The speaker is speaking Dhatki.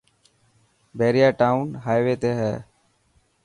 بهريا ٽاون هائوي تي هي.